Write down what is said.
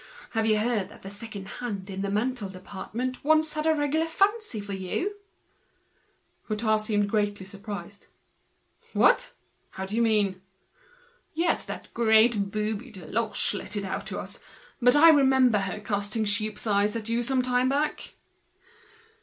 Have you heard that the second hand in the ready made department once had a regular fancy for you?" The young man seemed greatly surprised. "What! How do you mean?" "Yes, that great booby Deloche let it out to us. I remember her casting sheep's eyes at you some time back."